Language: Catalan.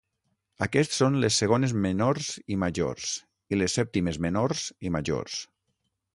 Aquests són les segones menors i majors i les sèptimes menors i majors.